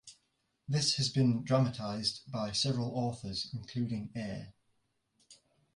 This has been dramatized by several authors including A.